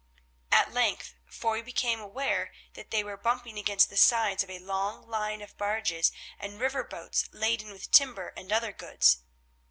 At length Foy became aware that they were bumping against the sides of a long line of barges and river boats laden with timber and other goods.